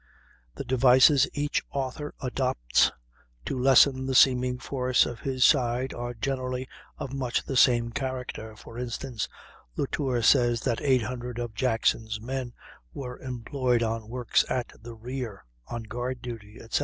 The devices each author adopts to lessen the seeming force of his side are generally of much the same character. For instance, Latour says that 800 of Jackson's men were employed on works at the rear, on guard duty, etc.